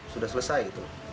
sudah selesai itu